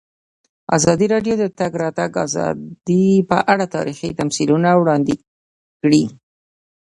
ازادي راډیو د د تګ راتګ ازادي په اړه تاریخي تمثیلونه وړاندې کړي.